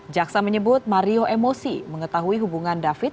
jaksa menyebut mario emosi mengetahui hubungan david